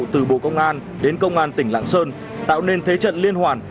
từ bộ công an đến công an tỉnh lạng sơn tạo nên thế trận liên hoàn